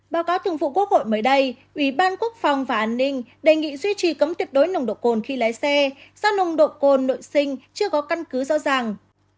báo cáo thường vụ quốc hội mới đây ủy ban quốc phòng và an ninh đề nghị duy trì cấm tuyệt đối nông độ côn khi lấy xe do nông độ côn nội sinh chưa có căn cứ rõ ràng